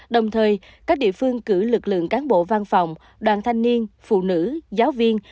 đồng thời các địa phương cử lực lượng cán bộ văn phòng đoàn thanh niên phụ nữ giáo viên